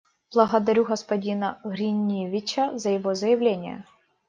Благодарю господина Гриневича за его заявление.